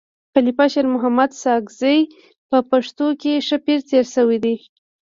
خلیفه شیرمحمد ساکزی په پښتنو کي ښه پير تير سوی دی.